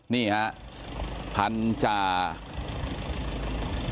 นี่ฮะพันจาอากาศ